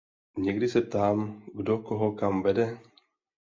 Někdy se ptám, kdo koho kam vede?